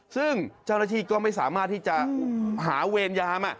ซึ่งเจ้าหน้าที่ก็ไม่สามารถที่จะหาเวรยาม